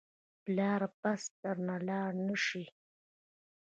پلاره بس درنه لاړ نه شي.